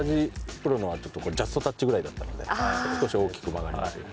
プロのはジャストタッチぐらいだったので少し大きく曲がりましたけど。